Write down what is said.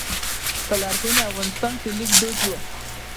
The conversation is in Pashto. په لرغوني افغانستان کې لیک دود و